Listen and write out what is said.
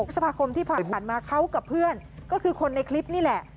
พฤษภาคมที่ผ่านมาเขากับเพื่อนก็คือคนในคลิปนี่แหละ